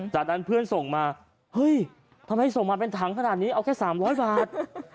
จากนั้นเพื่อนส่งมาเฮ้ยทำไมส่งมาเป็นถังขนาดนี้เอาแค่๓๐๐บาท